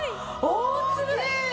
大きい！